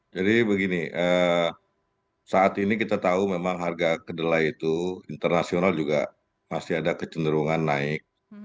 jadi begini saat ini kita tahu memang harga kedelai itu internasional juga masih ada kecenderungan naik